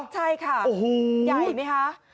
ใช่ค่ะใหญ่เห็นไหมคะ